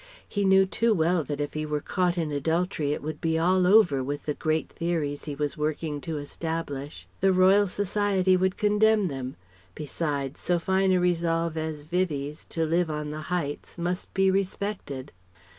He knew too well that if he were caught in adultery it would be all over with the great theories he was working to establish. The Royal Society would condemn them. Besides, so fine a resolve as Vivie's, to live on the heights must be respected.